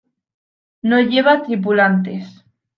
No lleva tripulantes.